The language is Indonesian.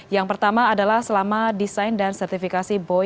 yang pertama adalah selama desain dan sertifikasi boeing